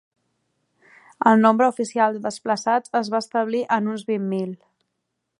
El nombre oficial de desplaçats es va establir en uns vint mil.